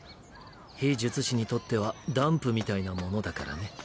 非術師にとってはダンプみたいなものだからね。